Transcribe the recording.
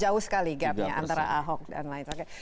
jauh sekali gapnya antara ahok dan lain lain